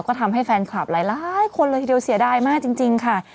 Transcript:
ก็ทำให้แฟนคลับหลายคนเลยทีเดียวเสียดายมากจริงค่ะ